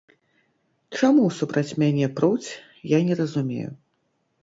Чаму супраць мяне пруць, я не разумею.